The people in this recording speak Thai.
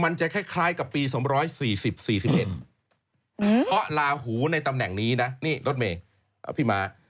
มันจะคล้ายกับปี๒๔๐๔๑เพราะลาหูในตำแหน่งนี้นะนี่รถเมย์พี่ม้า